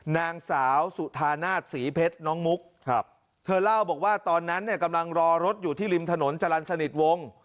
นางสาวสุธานาศศรีเพชรน้องมุกเธอเล่าบอกว่าตอนนั้นเนี่ยกำลังรอรถอยู่ที่ริมถนนจรรย์สนิทวง